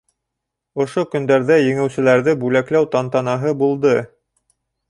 Ошо көндәрҙә еңеүселәрҙе бүләкләү тантанаһы булды.